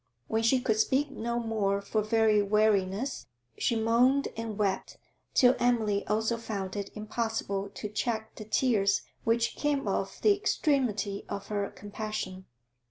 When she could speak no more for very weariness, she moaned and wept, till Emily also found it impossible to check the tears which came of the extremity of her compassion.